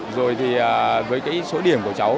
rồi thì với cái số điểm của cháu